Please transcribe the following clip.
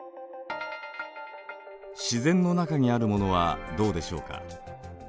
自然の中にあるものはどうでしょうか。